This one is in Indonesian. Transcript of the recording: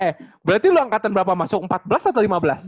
eh berarti lo angkatan berapa masuk empat belas atau lima belas